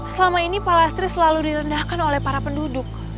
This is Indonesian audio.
selama ini pak lastri selalu direndahkan oleh para penduduk